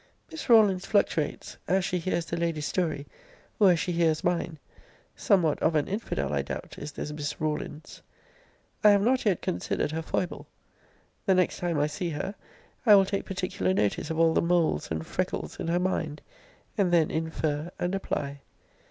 Miss Rawlins fluctuates, as she hears the lady's story, or as she hears mine. Somewhat of an infidel, I doubt, is this Miss Rawlins. I have not yet considered her foible. The next time I see her, I will take particular notice of all the moles and freckles in her mind; and then infer and apply.